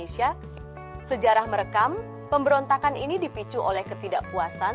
sejarah merekam pemberontakan ini dipicu oleh ketidakpuasan